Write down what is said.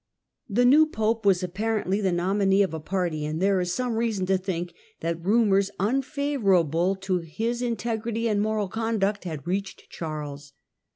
The new Pope was ap parently the nominee of a party, and there is some reason to think that rumours unfavourable to his in tegrity and moral conduct had reached Charles.